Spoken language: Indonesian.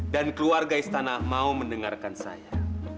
keluarga istana mau mendengarkan saya